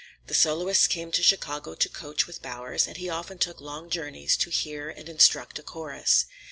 The soloists came to Chicago to coach with Bowers, and he often took long journeys to hear and instruct a chorus.